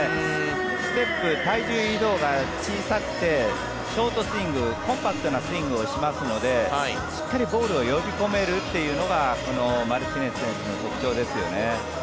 ステップ、体重移動が小さくてショートスイングコンパクトなスイングをしますのでしっかりボールを呼び込めるというのがこのマルティネス選手の特徴ですよね。